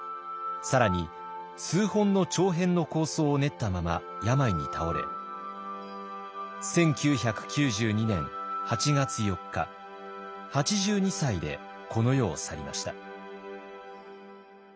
更に数本の長編の構想を練ったまま病に倒れ１９９２年８月４日８２歳でこの世を去りました。